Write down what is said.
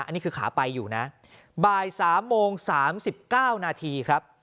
อันนี้คือขาไปอยู่นะบ่ายสามโมงสามสิบเก้านาทีครับ